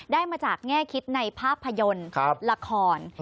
ได้มาจากแง่คิดในภาพยนตร์ละคร